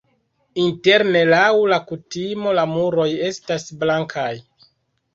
Interne laŭ la kutimo la muroj estas blankaj.